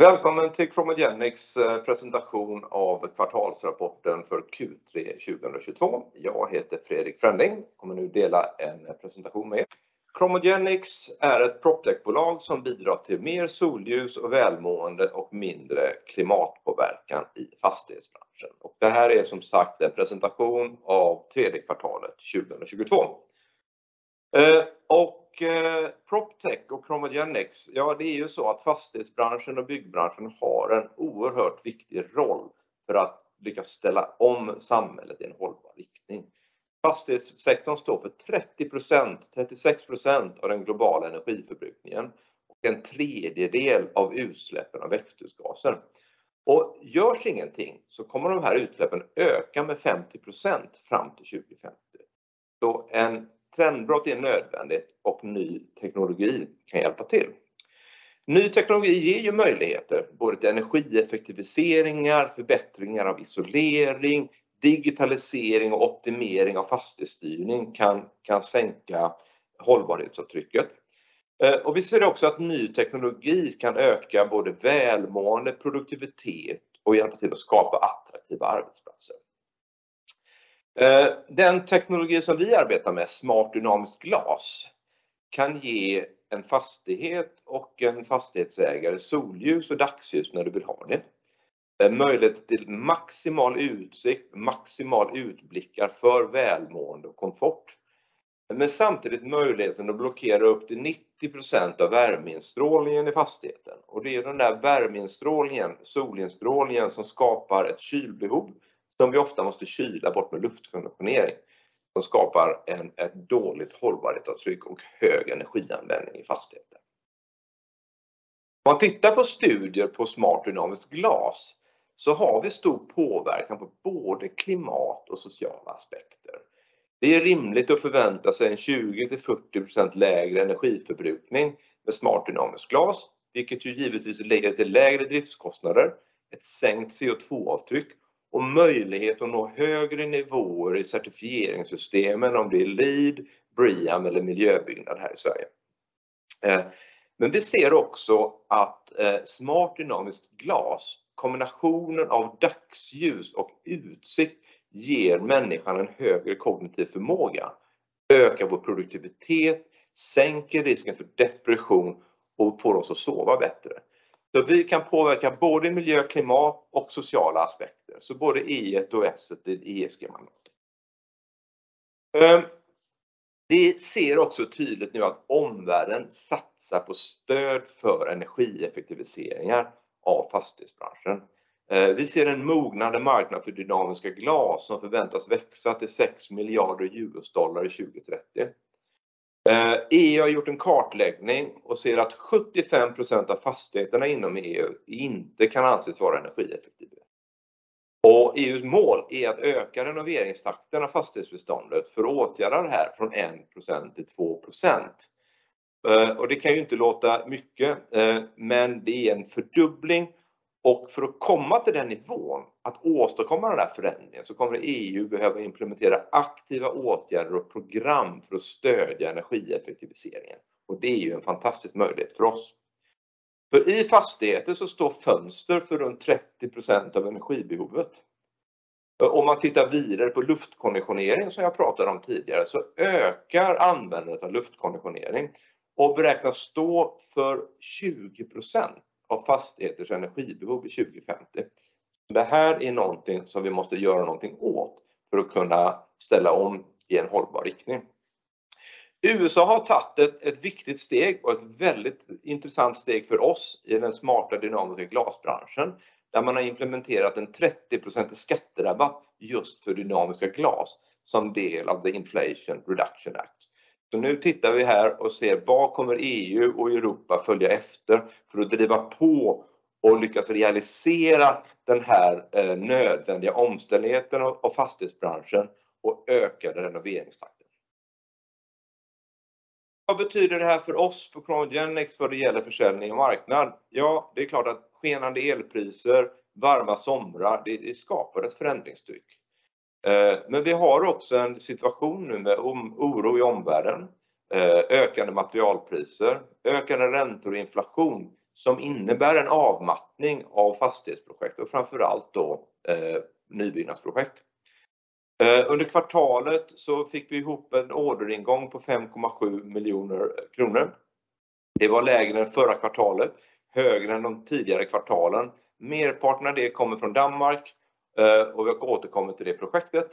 Välkommen till ChromoGenics presentation av kvartalsrapporten för Q3 2022. Jag heter Fredrik Fränding. Kommer nu dela en presentation med er. ChromoGenics är ett proptechbolag som bidrar till mer solljus och välmående och mindre klimatpåverkan i fastighetsbranschen. Det här är som sagt en presentation av tredje kvartalet 2022. Proptech och ChromoGenics, ja, det är ju så att fastighetsbranschen och byggbranschen har en oerhört viktig roll för att lyckas ställa om samhället i en hållbar riktning. Fastighetssektorn står för 30%, 36% av den globala energiförbrukningen och en tredjedel av utsläppen av växthusgaser. Görs ingenting så kommer de här utsläppen öka med 50% fram till 2050. En trendbrott är nödvändigt och ny teknologi kan hjälpa till. Ny teknologi ger ju möjligheter, både till energieffektiviseringar, förbättringar av isolering, digitalisering och optimering av fastighetsstyrning kan sänka hållbarhetsavtrycket. Vi ser också att ny teknologi kan öka både välmående, produktivitet och hjälpa till att skapa attraktiva arbetsplatser. Den teknologi som vi arbetar med, smart dynamiskt glas, kan ge en fastighet och en fastighetsägare solljus och dagsljus när du vill ha det. En möjlighet till maximal utsikt, maximal utblickar för välmående och komfort. Men samtidigt möjligheten att blockera upp till 90% av värmeinstrålningen i fastigheten. Det är den där värmeinstrålningen, solinstrålningen som skapar ett kylbehov som vi ofta måste kyla bort med luftkonditionering som skapar ett dåligt hållbarhetsavtryck och hög energianvändning i fastigheten. Om man tittar på studier på smart dynamiskt glas så har vi stor påverkan på både klimat och sociala aspekter. Det är rimligt att förvänta sig en 20%-40% lägre energiförbrukning med smart dynamiskt glas, vilket ju givetvis leder till lägre driftskostnader, ett sänkt CO2-avtryck och möjlighet att nå högre nivåer i certifieringssystemen, om det är LEED, BREEAM eller Miljöbyggnad här i Sverige. Vi ser också att smart dynamiskt glas, kombinationen av dagsljus och utsikt ger människan en högre kognitiv förmåga, ökar vår produktivitet, sänker risken för depression och får oss att sova bättre. Vi kan påverka både miljö, klimat och sociala aspekter. Både E1 och S1 i ESG-manualen. Vi ser också tydligt nu att omvärlden satsar på stöd för energieffektiviseringar av fastighetsbranschen. Vi ser en mognande marknad för dynamiska glas som förväntas växa till $6 billion 2030. EU har gjort en kartläggning och ser att 75% av fastigheterna inom EU inte kan anses vara energieffektiva. EU:s mål är att öka renoveringstakten av fastighetsbeståndet för att åtgärda det här från 1%-2%. Det kan ju inte låta mycket, men det är en fördubbling och för att komma till den nivån, att åstadkomma den här förändringen, så kommer EU behöva implementera aktiva åtgärder och program för att stödja energieffektiviseringen. Det är ju en fantastisk möjlighet för oss. För i fastigheter så står fönster för runt 30% av energibehovet. Om man tittar vidare på luftkonditionering som jag pratade om tidigare så ökar användandet av luftkonditionering och beräknas stå för 20% av fastigheters energibehov i 2050. Det här är någonting som vi måste göra någonting åt för att kunna ställa om i en hållbar riktning. USA har tagit ett viktigt steg och ett väldigt intressant steg för oss i den smarta dynamiska glasbranschen, där man har implementerat en 30% skatterabatt just för dynamiska glas som del av The Inflation Reduction Act. Nu tittar vi här och ser vad kommer EU och Europa följa efter för att driva på och lyckas realisera den här nödvändiga omställigheten av fastighetsbranschen och öka renoveringstakten. Vad betyder det här för oss på ChromoGenics vad det gäller försäljning och marknad? Ja, det är klart att skenande elpriser, varma somrar, det skapar ett förändringstryck. Men vi har också en situation nu med oro i omvärlden, ökande materialpriser, ökande räntor och inflation som innebär en avmattning av fastighetsprojekt och framför allt då nybyggnadsprojekt. Under kvartalet så fick vi ihop en orderingång på 5.7 million kronor. Det var lägre än förra kvartalet, högre än de tidigare kvartalen. Merparten av det kommer från Danmark, och vi återkommer till det projektet.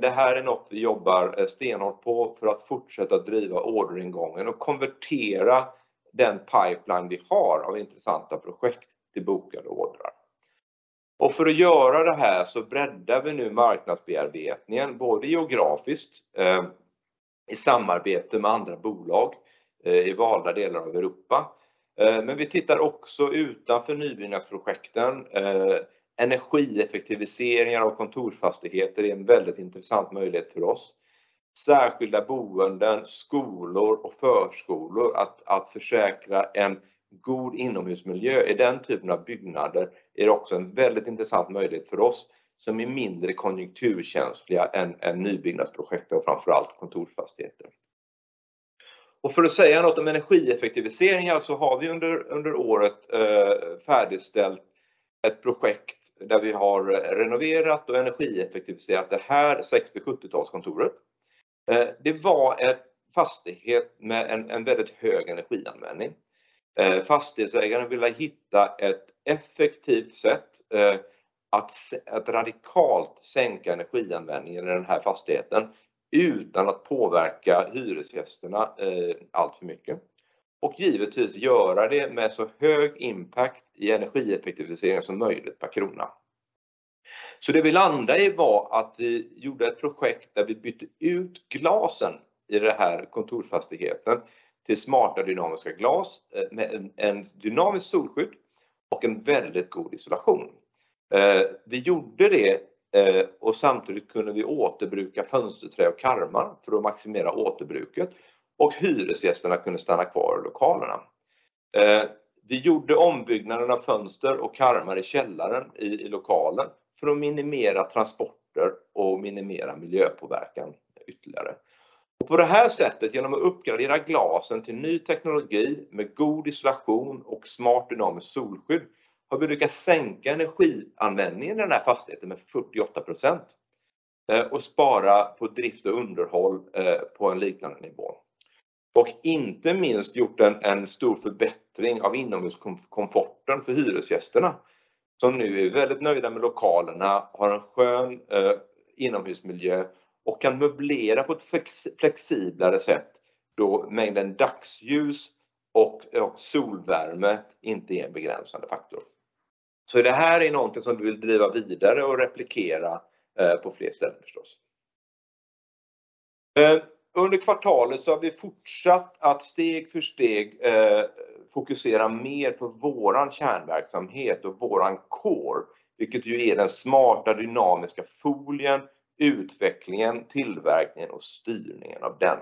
Det här är något vi jobbar stenhårt på för att fortsätta driva orderingången och konvertera den pipeline vi har av intressanta projekt till bokade ordrar. För att göra det här så breddar vi nu marknadsbearbetningen, både geografiskt, i samarbete med andra bolag i valda delar av Europa. Vi tittar också utanför nybyggnadsprojekten. Energieffektiviseringar av kontorsfastigheter är en väldigt intressant möjlighet för oss. Särskilda boenden, skolor och förskolor. Att försäkra en god inomhusmiljö i den typen av byggnader är också en väldigt intressant möjlighet för oss som är mindre konjunkturkänsliga än nybyggnadsprojekt och framför allt kontorsfastigheter. För att säga något om energieffektiviseringar så har vi under året färdigställt ett projekt där vi har renoverat och energieffektiviserat det här 60-70-tals kontoret. Det var ett fastighet med en väldigt hög energianvändning. Fastighetsägaren ville hitta ett effektivt sätt att radikalt sänka energianvändningen i den här fastigheten utan att påverka hyresgästerna alltför mycket. Givetvis göra det med så hög impact i energieffektivisering som möjligt per krona. Så det vi landade i var att vi gjorde ett projekt där vi bytte ut glasen i det här kontorsfastigheten till smarta dynamiska glas med en dynamisk solskydd och en väldigt god isolation. Vi gjorde det, och samtidigt kunde vi återbruka fönsterträ och karmar för att maximera återbruket och hyresgästerna kunde stanna kvar i lokalerna. Vi gjorde ombyggnaden av fönster och karmar i källaren i lokalen för att minimera transporter och minimera miljöpåverkan ytterligare. På det här sättet, genom att uppgradera glasen till ny teknologi med god isolation och smart dynamiskt solskydd, har vi lyckats sänka energianvändningen i den här fastigheten med 48% och spara på drift och underhåll på en liknande nivå. Inte minst gjort en stor förbättring av inomhuskomforten för hyresgästerna som nu är väldigt nöjda med lokalerna, har en skön inomhusmiljö och kan möblera på ett flexiblare sätt. Då mängden dagsljus och solvärme inte är en begränsande faktor. Det här är någonting som vi vill driva vidare och replikera på fler ställen förstås. Under kvartalet så har vi fortsatt att steg för steg fokusera mer på vår kärnverksamhet och vår core, vilket ju är den smarta dynamiska folien, utvecklingen, tillverkningen och styrningen av den.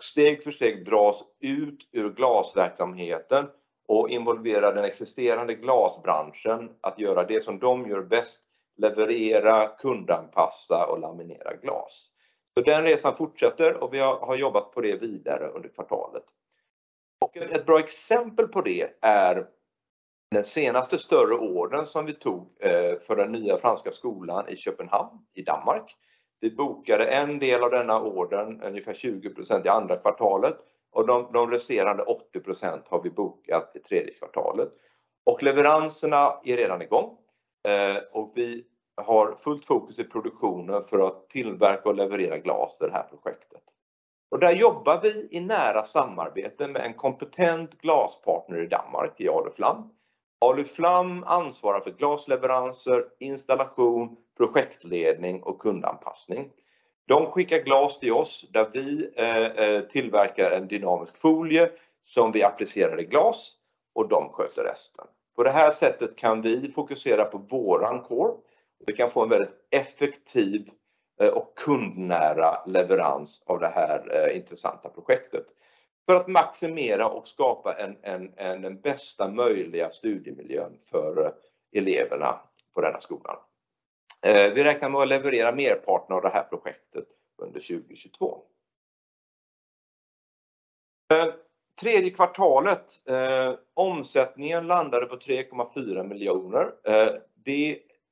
Steg för steg drar vi oss ut ur glasverksamheten och involverar vi den existerande glasbranschen att göra det som de gör bäst, leverera, kundanpassa och laminera glas. Den resan fortsätter och vi har jobbat på det vidare under kvartalet. Ett bra exempel på det är den senaste större ordern som vi tog för den nya franska skolan i Köpenhamn i Danmark. Vi bokade en del av denna ordern, ungefär 20% i andra kvartalet, och de resterande 80% har vi bokat i tredje kvartalet. Leveranserna är redan igång, och vi har fullt fokus i produktionen för att tillverka och leverera glas för det här projektet. Där jobbar vi i nära samarbete med en kompetent glaspartner i Danmark i Aluflam. Aluflam ansvarar för glasleveranser, installation, projektledning och kundanpassning. De skickar glas till oss där vi tillverkar en dynamisk folie som vi applicerar i glas och de sköter resten. På det här sättet kan vi fokusera på våran core. Vi kan få en väldigt effektiv och kundnära leverans av det här intressanta projektet. För att maximera och skapa en bästa möjliga studiemiljön för eleverna på denna skolan. Vi räknar med att leverera merparten av det här projektet under 2022. Tredje kvartalet omsättningen landade på 3.4 miljoner.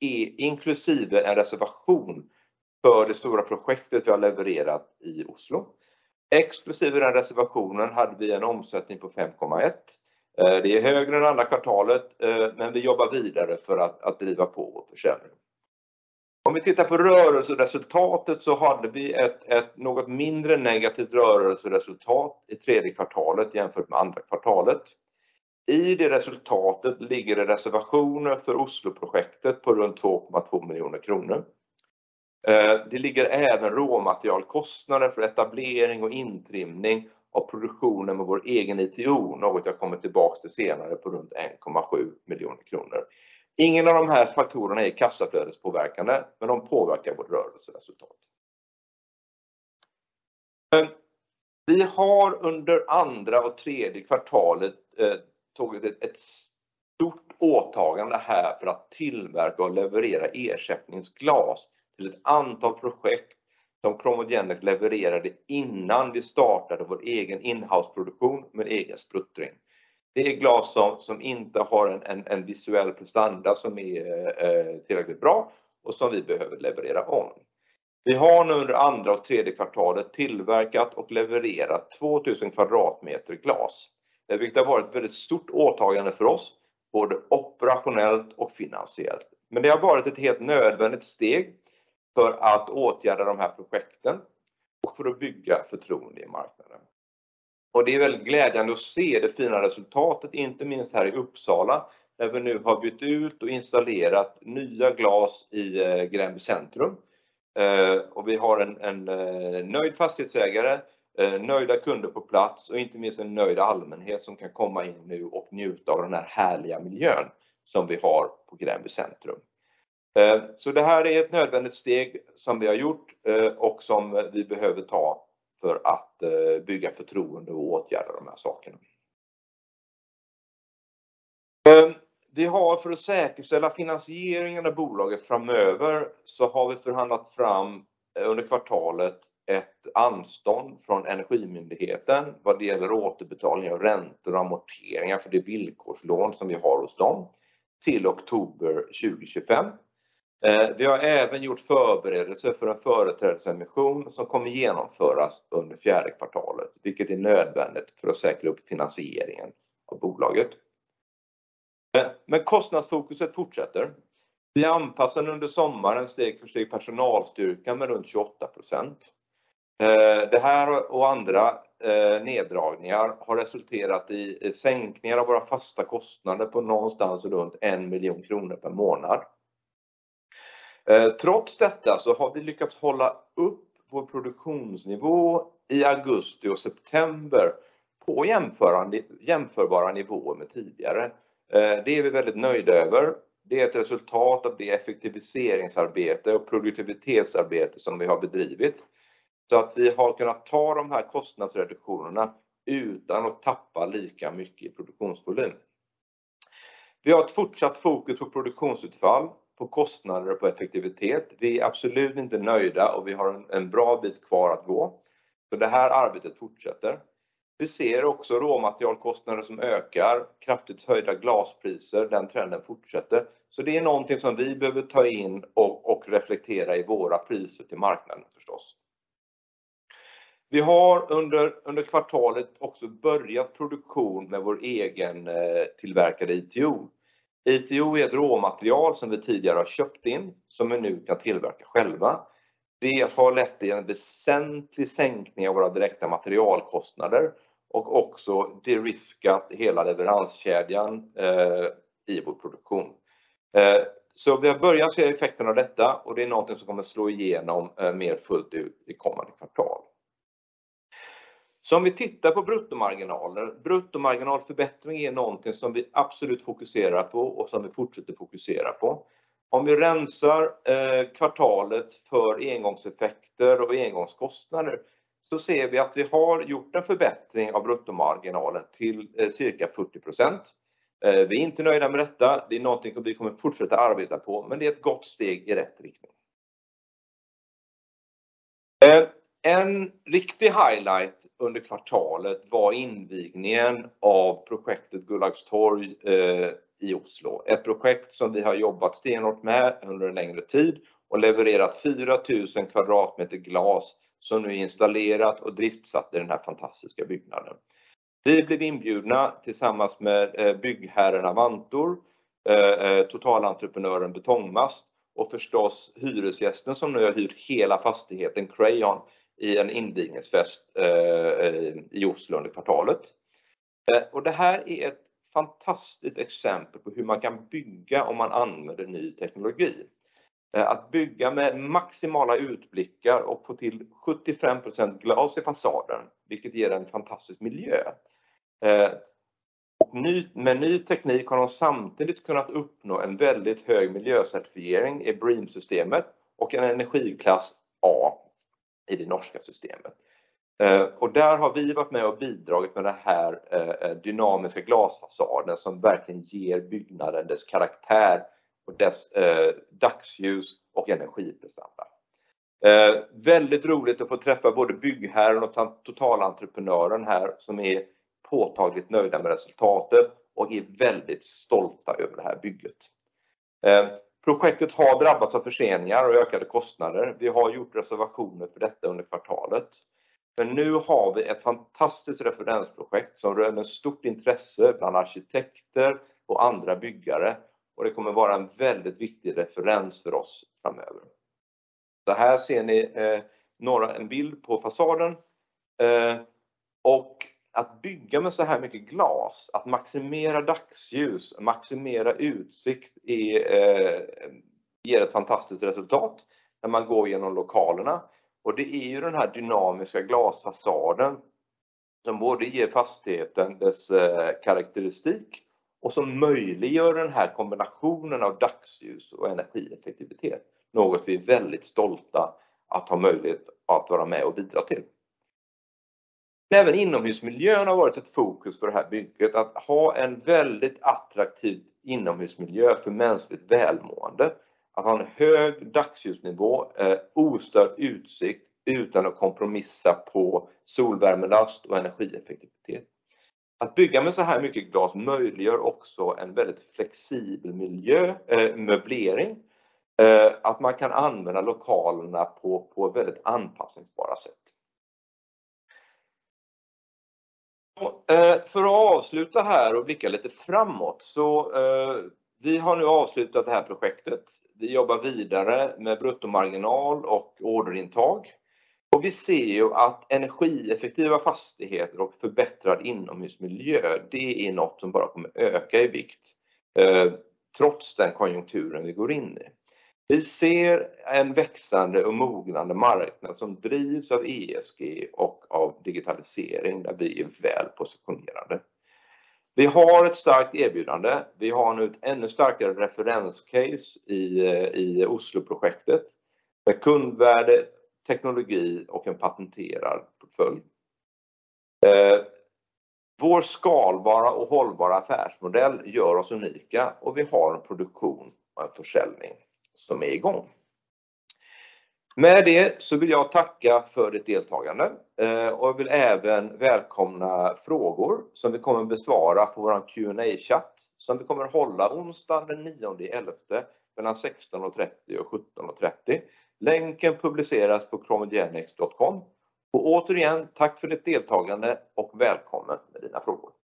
Det är inklusive en reservation för det stora projektet vi har levererat i Oslo. Exklusive den reservationen hade vi en omsättning på 5.1. Det är högre än andra kvartalet, men vi jobbar vidare för att driva på och försäljning. Om vi tittar på rörelseresultatet så hade vi ett något mindre negativt rörelseresultat i tredje kvartalet jämfört med andra kvartalet. I det resultatet ligger det reservationer för Oslo-projektet på runt 2.2 miljoner kronor. Det ligger även råmaterialkostnader för etablering och indrivning av produktionen med vår egen ITO, något jag kommer tillbaka till senare på runt 1.7 miljoner kronor. Ingen av de här faktorerna är kassaflödespåverkande, men de påverkar vårt rörelseresultat. Vi har under andra och tredje kvartalet tagit ett stort åtagande här för att tillverka och leverera ersättningsglas till ett antal projekt som ChromoGenics levererade innan vi startade vår egen in-house-produktion med egen spruttring. Det är glas som inte har en visuell prestanda som är tillräckligt bra och som vi behöver leverera om. Vi har nu under andra och tredje kvartalet tillverkat och levererat 2,000 kvadratmeter glas. Det vilket har varit ett väldigt stort åtagande för oss, både operationellt och finansiellt. Det har varit ett helt nödvändigt steg för att åtgärda de här projekten och för att bygga förtroende i marknaden. Det är väldigt glädjande att se det fina resultatet, inte minst här i Uppsala, där vi nu har bytt ut och installerat nya glas i Gränby Centrum. Vi har en nöjd fastighetsägare, nöjda kunder på plats och inte minst en nöjd allmänhet som kan komma in nu och njuta av den här härliga miljön som vi har på Gränby Centrum. Det här är ett nödvändigt steg som vi har gjort, och som vi behöver ta för att bygga förtroende och åtgärda de här sakerna. Vi har för att säkerställa finansieringen av bolaget framöver så har vi förhandlat fram under kvartalet ett anstånd från Energimyndigheten vad det gäller återbetalning av räntor och amorteringar för det villkorslån som vi har hos dem till oktober 2025. Vi har även gjort förberedelse för en företrädesemission som kommer genomföras under fjärde kvartalet, vilket är nödvändigt för att säkra upp finansieringen av bolaget. Kostnadsfokuset fortsätter. Vi anpassade under sommaren steg för steg personalstyrkan med runt 28%. Det här och andra neddragningar har resulterat i sänkningar av våra fasta kostnader på någonstans runt 1 million kronor per månad. Trots detta så har vi lyckats hålla upp vår produktionsnivå i augusti och september på jämförbara nivåer med tidigare. Det är vi väldigt nöjda över. Det är ett resultat av det effektiviseringsarbete och produktivitetsarbete som vi har bedrivit. Att vi har kunnat ta de här kostnadsreduktionerna utan att tappa lika mycket i produktionsvolym. Vi har ett fortsatt fokus på produktionsutfall, på kostnader och på effektivitet. Vi är absolut inte nöjda och vi har en bra bit kvar att gå. Det här arbetet fortsätter. Vi ser också råmaterialkostnader som ökar, kraftigt höjda glaspriser, den trenden fortsätter. Det är någonting som vi behöver ta in och reflektera i våra priser till marknaden förstås. Vi har under kvartalet också börjat produktion med vår egen tillverkade ITO. ITO är ett råmaterial som vi tidigare har köpt in som vi nu kan tillverka själva. Det har lett till en väsentlig sänkning av våra direkta materialkostnader och också de-riskat hela leveranskedjan i vår produktion. Vi har börjat se effekten av detta och det är någonting som kommer slå igenom mer fullt ut i kommande kvartal. Om vi tittar på bruttomarginalen. Bruttomarginalförbättring är någonting som vi absolut fokuserar på och som vi fortsätter fokusera på. Om vi rensar kvartalet för engångseffekter och engångskostnader, så ser vi att vi har gjort en förbättring av bruttomarginalen till cirka 40%. Vi är inte nöjda med detta. Det är någonting vi kommer fortsätta arbeta på, men det är ett gott steg i rätt riktning. En riktig highlight under kvartalet var invigningen av projektet Gullhaug Torg i Oslo. Ett projekt som vi har jobbat stenhårt med under en längre tid och levererat 4,000 kvadratmeter glas som nu är installerat och driftsatt i den här fantastiska byggnaden. Vi blev inbjudna tillsammans med byggherrarna Avantor, totalentreprenören Betonmast och förstås hyresgästen som nu har hyrt hela fastigheten Crayon i en invigningsfest i Oslo under kvartalet. Det här är ett fantastiskt exempel på hur man kan bygga om man använder ny teknologi. Att bygga med maximala utblickar och få till 75% glas i fasaden, vilket ger en fantastisk miljö. Med ny teknik har de samtidigt kunnat uppnå en väldigt hög miljöcertifiering i BREEAM-systemet och en energiklass A i det norska systemet. Där har vi varit med och bidragit med den här dynamiska glasfasaden som verkligen ger byggnaden dess karaktär och dess dagsljus- och energiprestanda. Väldigt roligt att få träffa både byggherrar och totalentreprenören här som är påtagligt nöjda med resultatet och är väldigt stolta över det här bygget. Projektet har drabbats av förseningar och ökade kostnader. Vi har gjort reservationer för detta under kvartalet. För nu har vi ett fantastiskt referensprojekt som väcker stort intresse bland arkitekter och andra byggare och det kommer vara en väldigt viktig referens för oss framöver. Här ser ni några, en bild på fasaden. Att bygga med så här mycket glas, att maximera dagsljus, maximera utsikt är, ger ett fantastiskt resultat när man går igenom lokalerna. Det är ju den här dynamiska glasfasaden som både ger fastigheten dess karakteristik och som möjliggör den här kombinationen av dagsljus och energieffektivitet. Något vi är väldigt stolta att ha möjlighet att vara med och bidra till. Även inomhusmiljön har varit ett fokus för det här bygget. Att ha en väldigt attraktiv inomhusmiljö för mänskligt välmående. Att ha en hög dagsljusnivå, ostörd utsikt utan att kompromissa på solvärmelast och energieffektivitet. Att bygga med så här mycket glas möjliggör också en väldigt flexibel miljö, möblering. Att man kan använda lokalerna på väldigt anpassningsbara sätt. För att avsluta här och blicka lite framåt. Vi har nu avslutat det här projektet. Vi jobbar vidare med bruttomarginal och orderintag. Vi ser ju att energieffektiva fastigheter och förbättrad inomhusmiljö, det är något som bara kommer öka i vikt, trots den konjunkturen vi går in i. Vi ser en växande och mognande marknad som drivs av ESG och av digitalisering, där vi är väl positionerade. Vi har ett starkt erbjudande. Vi har nu ett ännu starkare referenscase i Oslo-projektet med kundvärde, teknologi och en patenterad portfölj. Vår skalbara och hållbara affärsmodell gör oss unika och vi har en produktion och en försäljning som är i gång. Med det så vill jag tacka för ditt deltagande och jag vill även välkomna frågor som vi kommer besvara på vår Q&A-chat som vi kommer hålla onsdagen den nionde i elfte mellan 16:30 och 17:30. Länken publiceras på chromogenics.com. Återigen, tack för ditt deltagande och välkommen med dina frågor.